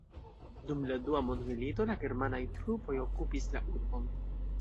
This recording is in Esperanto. Dum la Dua Mondmilito la germanaj trupoj okupis la urbon.